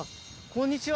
こんにちは。